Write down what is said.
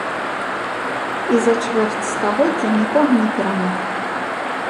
І за чвэрць стагоддзя нікога не перамог.